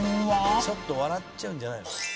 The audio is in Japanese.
「ちょっと笑っちゃうんじゃないの？」